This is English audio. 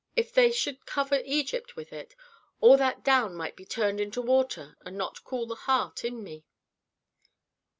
If they should cover Egypt with it, all that down might be turned into water and not cool the heart in me."